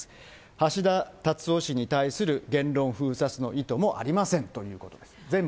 橋田達夫氏に対する言論封殺の意図もありませんということです。